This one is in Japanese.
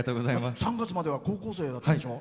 ３月までは高校生だったんでしょ？